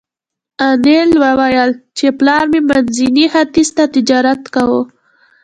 انیلا وویل چې پلار مې منځني ختیځ ته تجارت کاوه